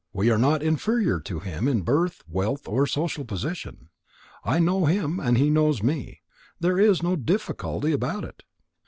We are not inferior to him in birth, wealth, or social position. I know him and he knows me. So there is no difficulty about it."